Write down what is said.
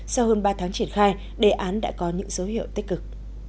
sau hơn ba tháng triển khai đề án đã có những dấu hiệu tích cực